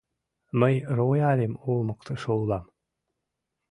— Мый рояльым олмыктышо улам.